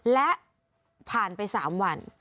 และผ่านไป๓วัน